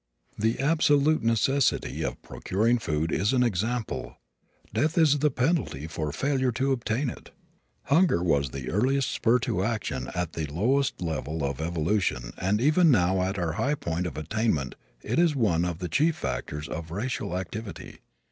The absolute necessity of procuring food is an example. Death is the penalty for failure to obtain it. Hunger was the earliest spur to action at the lowest level of evolution and even now at our high point of attainment it is one of the chief factors of racial activity.